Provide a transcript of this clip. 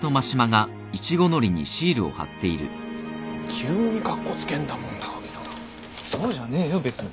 急にカッコつけんだもん高木さん。そうじゃねえよ別に。